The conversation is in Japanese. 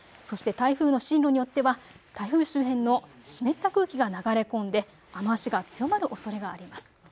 そして台風の進路によっては台風周辺の湿った空気が流れ込んで雨足が強まるおそれがあります。